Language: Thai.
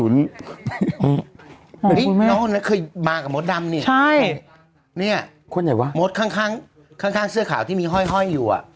นี่น้องคนนั้นเคยมากับมดดำนี่ใช่เนี่ยคนไหนวะมดข้างข้างเสื้อขาวที่มีห้อยอยู่อ่ะ